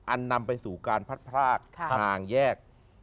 นำไปสู่การพัดพรากทางแยก